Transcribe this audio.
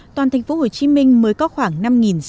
toàn thành phố hồ chí minh mới có khoảng năm sáu trăm linh tỉnh